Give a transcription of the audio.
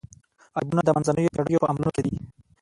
عیبونه د منځنیو پېړیو په عملونو کې دي.